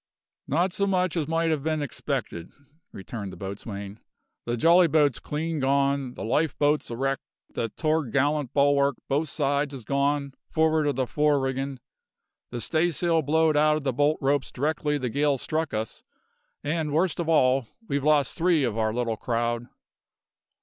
"Not so much as might ha' been expected," returned the boatswain. "The jolly boat's clean gone; the life boat's a wreck; the to'gallant bulwark, both sides, is gone, for'ard of the fore riggin'; the staysail blowed out of the bolt ropes directly the gale struck us; and worst of all we've lost three of our little crowd."